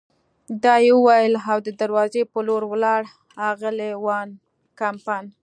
دا یې وویل او د دروازې په لور ولاړل، اغلې وان کمپن.